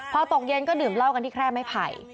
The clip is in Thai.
พอตกเย็นก็ดื่มเหล้ากันที่แคร่ไม้ไผ่